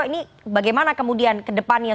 ini bagaimana kemudian ke depannya